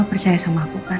percaya sama aku kan